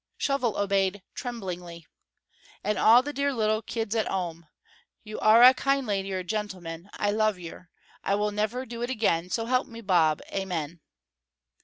Shovel obeyed, tremblingly. "And all the dear little kids at 'ome. You are a kind laidy or gentleman. I love yer. I will never do it again, so help me bob. Amen."